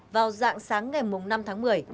vào dạng sáng ngày năm tháng một mươi